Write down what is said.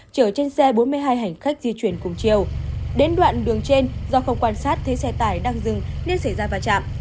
chở trên xe bốn mươi hai hành khách di chuyển cùng chiều đến đoạn đường trên do không quan sát thấy xe tải đang dừng nên xảy ra va chạm